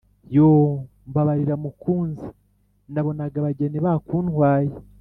– yooo! mbabarira mukunzi. nabonaga abageni bakuntwaye.